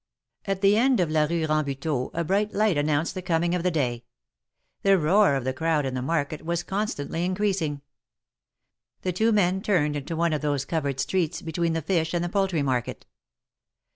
At the end of la Hue Rambu teau a bright light announced the coming of the day. The roar of the crowd in the market was constantly increasing. The two men turned into one of these covered streets, be tween the fish and the poultry market.